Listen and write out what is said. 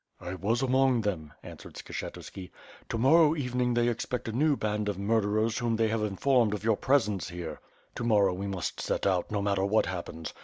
"I was among them," answered Skshetuski. "To morrow evening, they expect a new band of murderers whom they have informed of your presence here. To morrow, we must set out, no matter what happens.